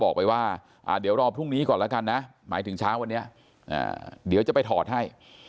บอกไปว่าเดี๋ยวรอพรุ่งนี้ก่อนแล้วกันนะหมายถึงเช้าวันนี้เดี๋ยวจะไปถอดให้